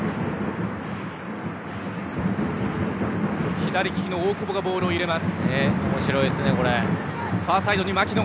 左利きの大久保がボールを入れます。